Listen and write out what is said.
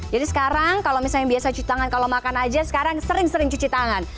jadi sekarang kalau misalnya biasa cuci tangan kalau makan aja sekarang sering sering cuci tangan